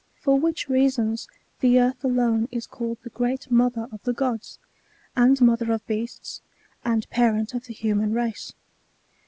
For which reasons the earth alone is caUed the great mother of the gods, and mother of beasts, and parent of the human race.